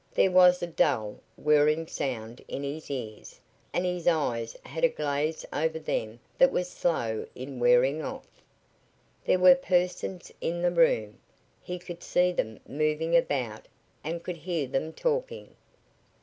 There was a dull, whirring sound in his ears, and his eyes had a glaze over them that was slow in wearing off. There were persons in the room. He could see them moving about and could hear them talking.